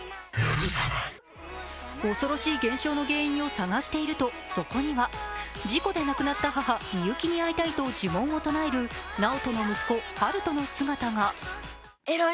恐ろしい減少の原因を探しているとそこには事故で亡くなった母・美雪に会いたいと呪文を唱える直人の息子、春翔の姿が。